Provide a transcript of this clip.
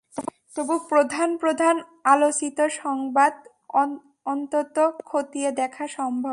তবু প্রধান প্রধান আলোচিত সংবাদ অন্তত খতিয়ে দেখা সম্ভব।